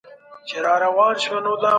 د هوا ککړتیا د هر انسان روغتیا ته زیان رسوي.